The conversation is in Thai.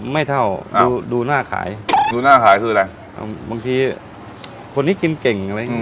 ไม่เท่าดูดูหน้าขายดูหน้าขายคืออะไรบางทีคนนี้กินเก่งอะไรอย่างงี